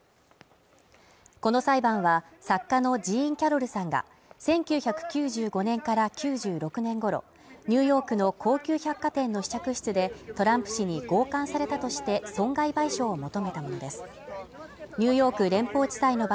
この裁判は作家のジーン・キャロルさんが１９９５年から９６年頃ニューヨークの高級百貨店の試着室でトランプ氏にごうかんされたとして損害賠償を求めたものです。